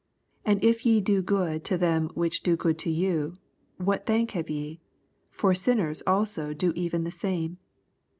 33 And if ye do ffood to them which ^o good to you, what thank have ye ? for sinners also do even the same.